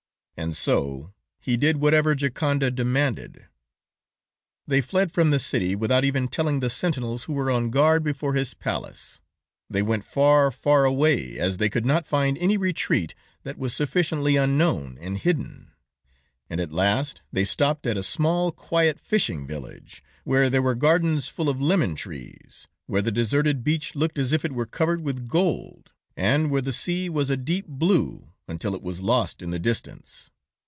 "And so he did whatever Gioconda demanded. "They fled from the city, without even telling the sentinels who were on guard before his palace. They went far, far away, as they could not find any retreat that was sufficiently unknown and hidden, and at last they stopped at a small, quiet fishing village, where there were gardens full of lemon trees, where the deserted beach looked as if it were covered with gold, and where the sea was a deep blue until it was lost in the distance.